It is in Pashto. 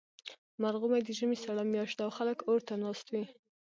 مرغومی د ژمي سړه میاشت ده، او خلک اور ته ناست وي.